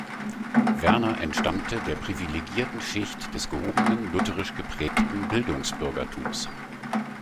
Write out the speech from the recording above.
Werner entstammte der privilegierten Schicht des gehobenen lutherisch geprägten Bildungsbürgertums.